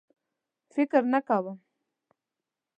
فکر نه کوم.